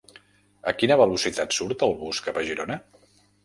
A quina velocitat surt el bus cap a Girona?